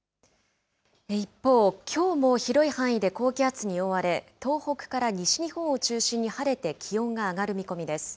一方、きょうも広い範囲で高気圧に覆われ、東北から西日本を中心に晴れて、気温が上がる見込みです。